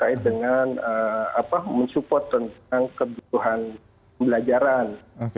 kekait dengan apa mensupport tentang kebutuhan pembelajaran